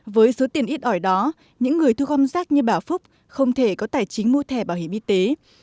với số tiền ít ỏi đó những người thu gom rác như bà phúc không thể có tài chính mua thẻ bảo hiểm y tế